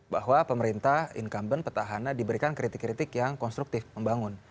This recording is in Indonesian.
bahwa pemerintah incumbent petahana diberikan kritik kritik yang konstruktif membangun